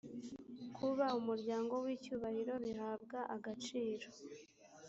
kuba umuryango w icyubahiro bihabwa agaciro